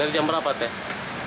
dari jam berapa teh